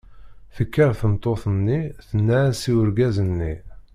Tekker tmeṭṭut-nni tenna-as i urgaz-is.